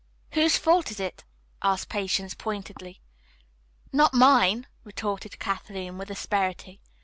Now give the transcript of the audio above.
"Whose fault is it?" asked Patience pointedly. "Not mine," retorted Kathleen with asperity.